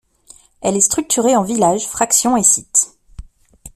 Elle est structurée en villages, fractions et sites.